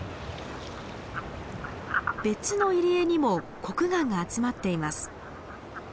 別の入り江にもコクガンが集まっています。